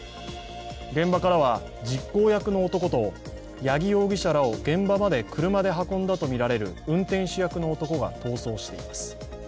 現場からは実行役の男と八木容疑者らを現場まで車で運んだとみられる運転手役の男が逃走しています。